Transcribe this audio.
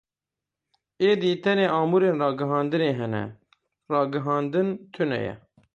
Êdî tenê amûrên ragihandinê hene, ragihandin tune ye.